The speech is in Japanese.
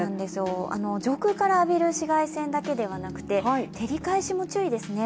上空から浴びる紫外線だけではなくて照り返しも注意ですね。